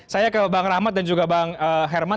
saya ke bang rahmat dan juga bang herman